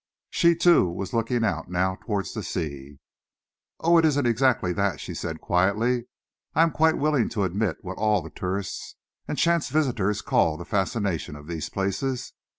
She, too, was looking out now towards the sea. "Oh, it isn't exactly that," she said quietly. "I am quite willing to admit what all the tourists and chance visitors call the fascination of these places.